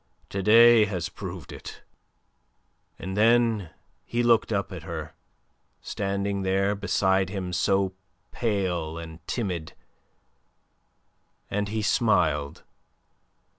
To day has proved it." And then he looked up at her, standing there beside him so pale and timid, and he smiled.